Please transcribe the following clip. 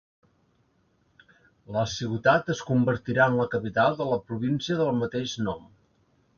La ciutat es convertirà en la capital de la província del mateix nom.